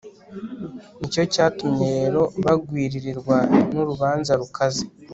ni cyo cyatumye rero bagwiririrwa n'urubanza rukaze